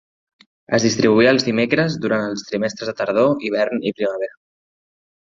Es distribuïa els dimecres durant els trimestres de tardor, hivern i primavera.